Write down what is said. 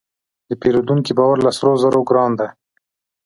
د پیرودونکي باور له سرو زرو ګران دی.